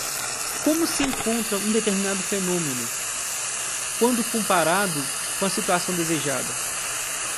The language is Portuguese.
como se encontra um determinado fenômeno, quando comparado com a situação desejada